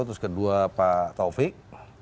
terus kedua pak taufik